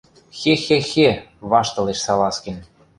— Хе-хе-хе! — ваштылеш Салазкин.